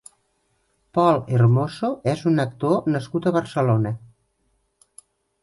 Pol Hermoso és un actor nascut a Barcelona.